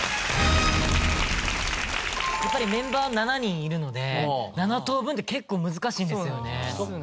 メンバー７人いるので７等分って結構難しいんですよね。